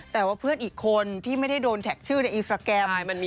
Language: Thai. แต่ว่าเพื่อนอีกคนที่ไม่ได้โดนแท็กชื่อในอินสตราแกรม